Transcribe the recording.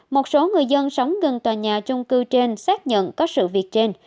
một số người dân sống gần tòa nhà trung cư trên xác nhận có sự việc trên